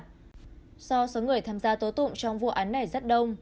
do số người tham gia tố tụng trong vụ án này rất đông